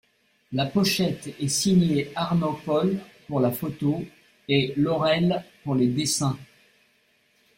La pochette est signée Arno Paul pour la photo et Laurel pour les dessins.